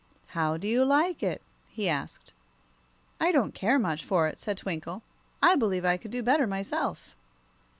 "How do you like it?" he asked. "I don't care much for it," said Twinkle. "I believe I could do better myself."